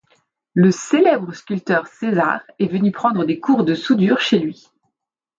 Le célèbre sculpteur César est venu prendre des cours de soudure chez lui.